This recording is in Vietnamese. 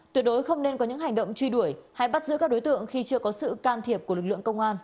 tuyệt đối không nên có những hành động truy đuổi hay bắt giữ các đối tượng khi chưa có sự can thiệp của lực lượng công an